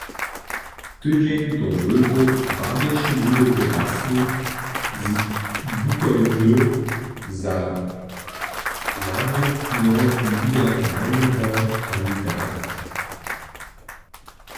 Tydźeń do wólbow wabješe ludowy basnik z Bukojny za narodnoliberalneho kandidata.